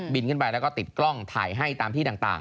ขึ้นไปแล้วก็ติดกล้องถ่ายให้ตามที่ต่าง